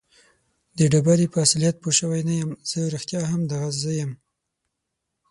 د ډبرې په اصلیت پوه شوی نه یم. زه رښتیا هم دغه زه یم؟